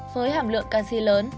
với hẳn lượng canxi lớn